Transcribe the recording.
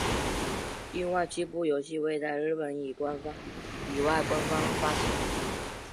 另外七部游戏未在日本以外官方发行。